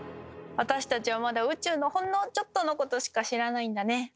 私たちはまだ宇宙のほんのちょっとのことしか知らないんだね。